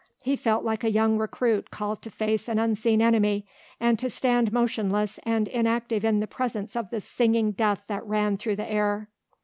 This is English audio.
He felt like a young recruit called to face an unseen enemy and to stand motionless and inactive in the presence of the singing death that ran through the air.